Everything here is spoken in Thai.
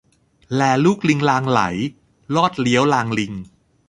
แลลูกลิงลางไหล้ ลอดเลี้ยวลางลิง